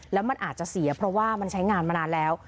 แล้วมันอาจจะเสียเพราะว่ามันใช้งานมานานแล้ว